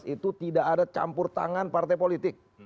dua ribu enam belas itu tidak ada campur tangan partai politik